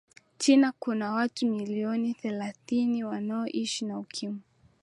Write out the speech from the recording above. china Kuna watu milioni thalathini wanaoishi na ukimwi